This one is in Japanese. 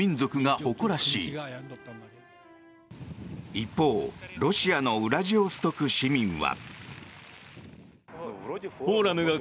一方、ロシアのウラジオストク市民は。